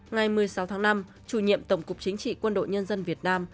ngày một mươi sáu tháng năm chủ nhiệm tổng cục chính trị quân đội nhân dân việt nam